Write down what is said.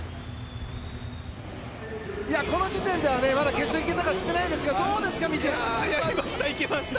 この時点では、まだ決勝に行けたか分かってないんですがどうですか？